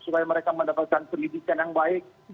dan mereka mendapatkan pendidikan yang baik